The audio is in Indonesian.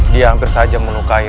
dia hampir saja melukai